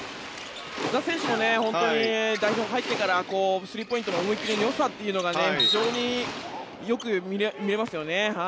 須田選手も代表に入ってからスリーポイントの思い切りのよさというのが非常によく見えますよね。